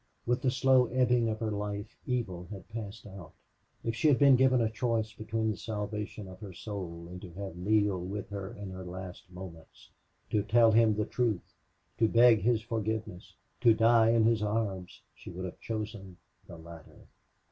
With the slow ebbing of her life evil had passed out. If she had been given a choice between the salvation of her soul and to have Neale with her in her last moments, to tell him the truth, to beg his forgiveness, to die in his arms, she would have chosen the latter.